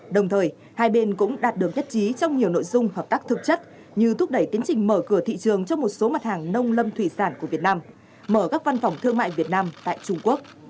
đồng thời hai bên cũng đạt được nhất trí trong nhiều nội dung hợp tác thực chất như thúc đẩy tiến trình mở cửa thị trường cho một số mặt hàng nông lâm thủy sản của việt nam mở các văn phòng thương mại việt nam tại trung quốc